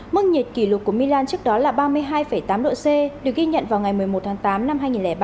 mức nhiệt kỷ lục của milan trước đó là ba mươi hai tám độ c được ghi nhận vào ngày một mươi một tháng tám năm hai nghìn ba